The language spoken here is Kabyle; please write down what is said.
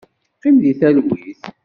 Qqim deg talwit.